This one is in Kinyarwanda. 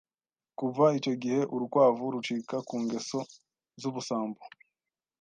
Kuva icyo gihe urukwavu rucika ku ngeso z'ubusambo